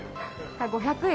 ５００円。